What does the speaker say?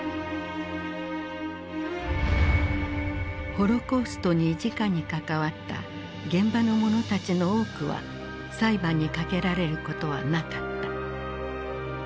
ホロコーストにじかに関わった現場の者たちの多くは裁判にかけられることはなかった。